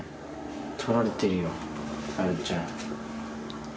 撮られてるよあるちゃん。